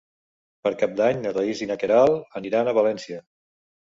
Per Cap d'Any na Thaís i na Queralt aniran a València.